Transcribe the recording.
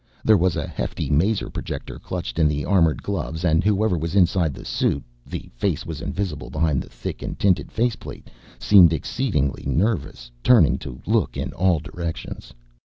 There was a hefty maser projector clutched in the armored gloves and whoever was inside the suit, the face was invisible behind the thick and tinted faceplate, seemed exceedingly nervous, turning to look in all directions.